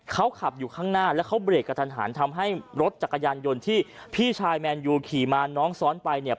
เขาขับอยู่ข้างหน้าแล้วเขาเบรกกระทันหันทำให้รถจักรยานยนต์ที่พี่ชายแมนยูขี่มาน้องซ้อนไปเนี่ย